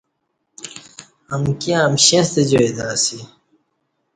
امکی امشیں ستہ جائی تہ اسی